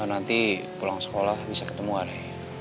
nanti pulang sekolah bisa ketemu arya